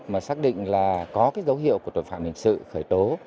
mà xác định là có cái dấu hiệu của tội phạm hình sự khởi tố